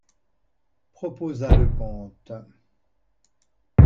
Proposa le comte.